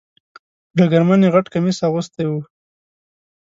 په ډګرمن یې غټ کمیس اغوستی و .